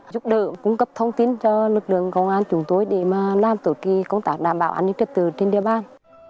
giúp đỡ cung cấp thông tin cho lực lượng công an chúng tôi để làm tổ công tác đảm bảo an ninh trật tự trên địa bàn